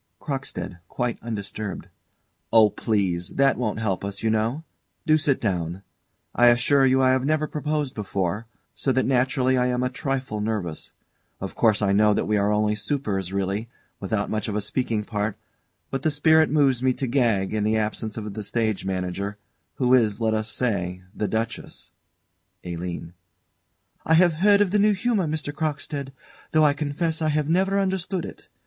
CROCKSTEAD. [Quite undisturbed.] Oh, please! That won't help us, you know. Do sit down. I assure you I have never proposed before, so that naturally I am a trifle nervous. Of course I know that we are only supers really, without much of a speaking part; but the spirit moves me to gag, in the absence of the stage manager, who is, let us say, the Duchess ALINE. I have heard of the New Humour, Mr. Crockstead, though I confess I have never understood it.